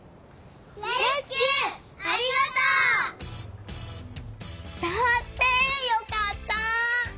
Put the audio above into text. レスキューありがとう！だって！よかった。